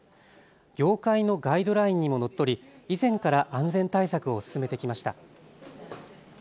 業界のガイドラインにものっとり以前から安全対策を進めてきました。